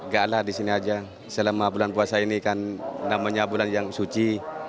gaklah di sini aja selama bulan puasa ini kan namanya bulan yang suci